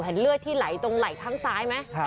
เห็นเลือดที่ไหลตรงไหล่ทั้งซ้ายไหม